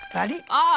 ああ！